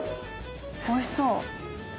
おいしそう。